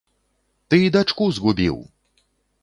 Ты і дачку згубіў!